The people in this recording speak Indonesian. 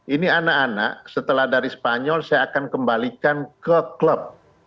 ini anak anak setelah dari spanyol saya akan kembalikan ke klub